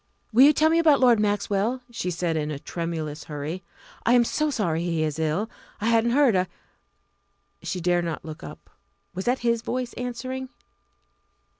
"Will you tell me about Lord Maxwell?" she said in a tremulous hurry. "I am so sorry he is ill I hadn't heard I " She dared not look up. Was that his voice answering?